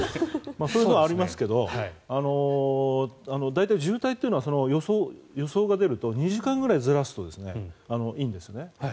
そういうのはありますが大体、渋滞というのは予想が出ると２時間ぐらいずらすといいんです。